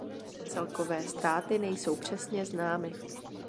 Celkové ztráty nejsou přesně známy.